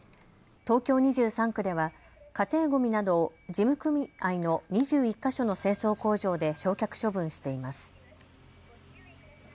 東京２３区では家庭ごみなどを事務組合の２１か所の清掃工場で焼却処分しています。